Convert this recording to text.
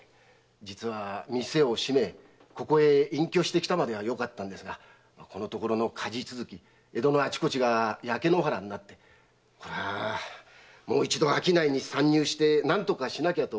実は店を閉めここへ隠居してきたまではよかったんですがこのところの火事続きで江戸のあちこちが焼け野原になってこれはもう一度商いに参入して何とかしなきゃと思いましてな。